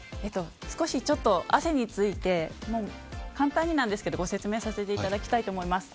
少し汗について簡単になんですけどご説明させていただきたいと思います。